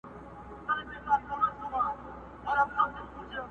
د غم او د ښادۍ کمبلي ورکي دي له خلکو٫